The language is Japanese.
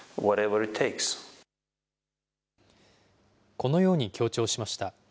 このように強調しました。